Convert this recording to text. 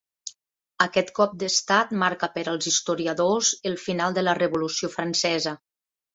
Aquest cop d'estat marca per als historiadors el final de la Revolució francesa.